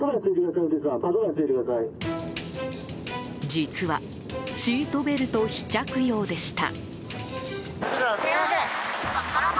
実はシートベルト非着用でした。